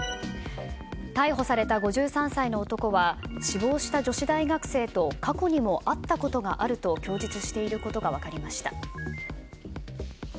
逮捕された５３歳の男は死亡した女子大学生と過去にも会ったことがあると供述していることが分かりました。